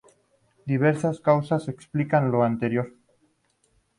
Diversas causas explican lo anterior.